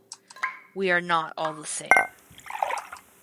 We are not all the same.